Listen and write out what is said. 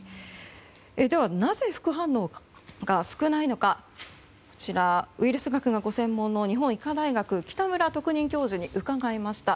では、なぜ副反応が少ないのかウイルス学がご専門の日本医科大学北村特任教授に伺いました。